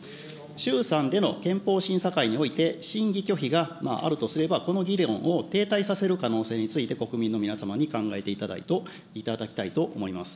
衆参での憲法審査会において、審議拒否があるとすれば、この議論を停滞させる可能性について、国民の皆様に考えていただきたいと思います。